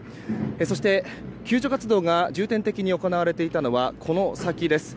そして、救助活動が重点的に行われていたのはこの先です。